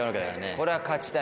これは勝ちたい。